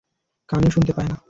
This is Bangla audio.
কানেও শুনতে পায় না।